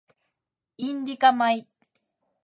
インディカ米